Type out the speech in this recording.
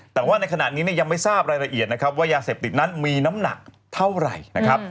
แต่ว่าในขณะนี้ยังไม่ทราบรายละเอียดนะครับว่ายาเสพติดนั้นมีน้ำหนักเท่าไหร่นะครับ